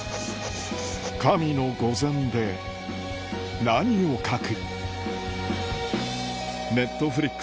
神の御前で何を書く？